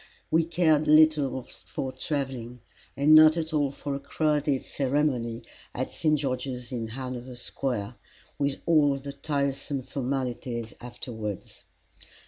We cared little for travelling, and not at all for a crowded ceremony at St George's in Hanover Square, with all the tiresome formalities afterwards.